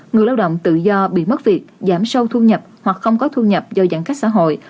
người lao động tự do bị mất việc giảm sâu thu nhập hoặc không có thu nhập do giãn cách xã hội